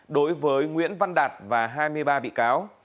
đối với nguyễn văn đạt và hai mươi ba bị cáo